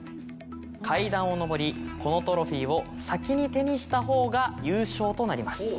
階段を上りこのトロフィーを先に手にしたほうが優勝となります。